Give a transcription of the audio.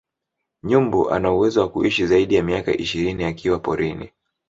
Nyumbu anauwezo wa kuishi zaidi ya miaka ishirini akiwa porini